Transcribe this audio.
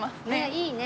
いいね。